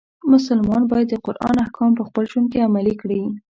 مسلمان باید د قرآن احکام په خپل ژوند کې عملی کړي.